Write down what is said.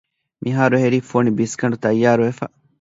މިހާރު އެހެރީ ފޮނި ބިސްގަނޑު ތައްޔާރުވެފަ